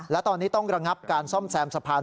และตอนนี้ต้องระงับการซ่อมแซมสะพาน